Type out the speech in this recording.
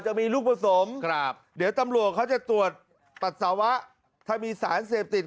จะมีลูกผสมครับเดี๋ยวตำรวจเขาจะตรวจปัสสาวะถ้ามีสารเสพติด